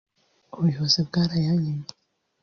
ubuyobozi bwarayanyimye